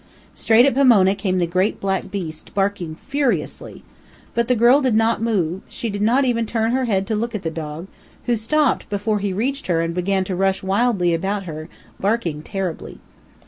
Straight at Pomona came the great black beast, barking furiously. But the girl did not move; she did not even turn her head to look at the dog, who stopped before he reached her and began to rush wildly around her, barking terribly.